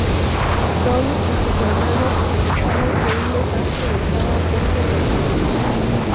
Tony y sus hermanos sospecharon que un desastre estaba a punto de ocurrir.